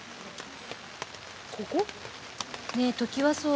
ここ？